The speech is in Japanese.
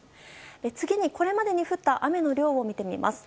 次にこれまでに降った雨の量を見てみます。